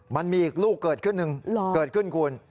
มันมีอีกลูกเกิดขึ้นหนึ่งเกิดขึ้นคุณ